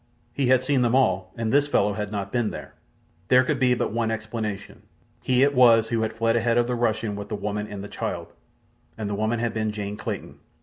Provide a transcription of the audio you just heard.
He had seen them all, and this fellow had not been there. There could be but one explanation—he it was who had fled ahead of the Russian with the woman and the child—and the woman had been Jane Clayton.